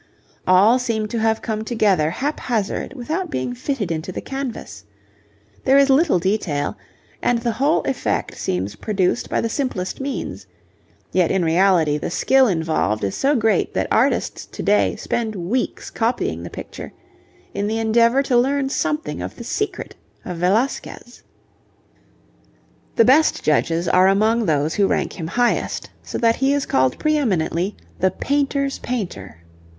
All seem to have come together haphazard without being fitted into the canvas. There is little detail, and the whole effect seems produced by the simplest means; yet in reality the skill involved is so great that artists to day spend weeks copying the picture, in the endeavour to learn something of the secret of Velasquez. The best judges are among those who rank him highest, so that he is called pre eminently 'the painter's painter.'